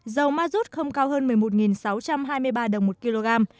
dầu ma rút không cao hơn một mươi một sáu trăm hai mươi ba đồng một kg